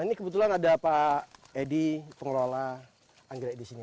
ini kebetulan ada pak edi pengelola anggrek di sini